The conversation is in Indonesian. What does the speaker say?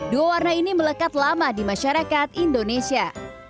dua warna ini melekat lama di masyarakat indonesia